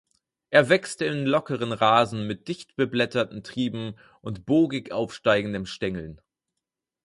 Er wächst in lockeren Rasen mit dicht beblätterten Trieben und bogig aufsteigendem Stängeln.